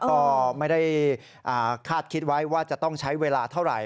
ก็ไม่ได้คาดคิดไว้ว่าจะต้องใช้เวลาเท่าไหร่